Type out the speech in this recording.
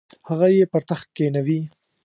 هغه یې پر تخت کښینوي.